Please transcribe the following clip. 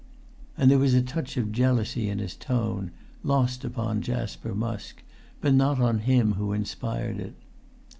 And there was a touch of jealousy in his tone, lost upon Jasper Musk, but not on him who inspired it.